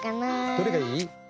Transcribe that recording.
どれがいい？